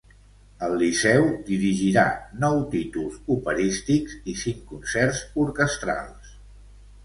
Al Liceu dirigirà nou títols operístics i cinc concerts orquestrals.